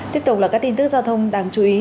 tiếp tục là các tin tức giao thông đáng chú ý